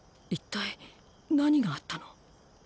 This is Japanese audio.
一体何があったの？